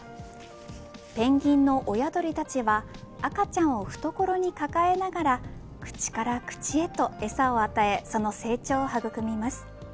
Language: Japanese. ペンギンの親鳥たちは赤ちゃんを懐に抱えながら口から口へとえさを与えその成長を育みます。